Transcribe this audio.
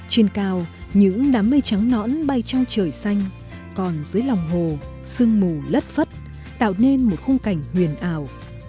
trên cao những đám mây trắng nõn bay trong trời xanh còn dưới lòng hồ sương mù lất phất tạo nên một khung cảnh huyền ảo